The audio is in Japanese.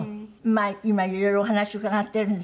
今いろいろお話伺ってるんですけど